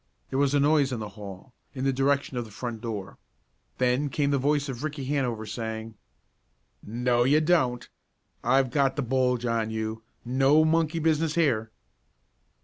There was a noise in the hall, in the direction of the front door. Then came the voice of Ricky Hanover saying: "No, you don't! I've got the bulge on you! No monkey business here!"